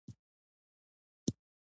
په بېوګرافي کښي د پېژندګلوي معلومات راځي.